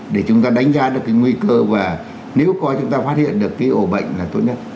để chúng ta đánh giá được cái nguy cơ và nếu có chúng ta phát hiện được cái ổ bệnh là tốt nhất